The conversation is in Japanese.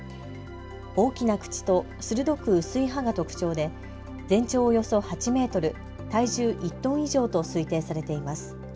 大きな口と鋭く薄い歯が特徴で全長およそ８メートル、体重１トン以上と推定されています。